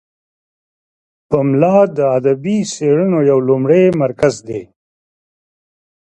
پملا د ادبي څیړنو یو لومړی مرکز دی.